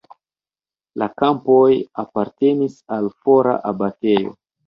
La kampoj apartenis al fora abatejo.